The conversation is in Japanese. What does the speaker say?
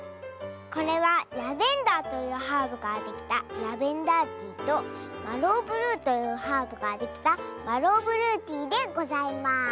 これはラベンダーというハーブからできた「ラベンダーティー」とマローブルーというハーブからできた「マローブルーティー」でございます。